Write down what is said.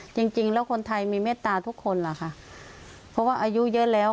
จริงจริงแล้วคนไทยมีเมตตาทุกคนล่ะค่ะเพราะว่าอายุเยอะแล้ว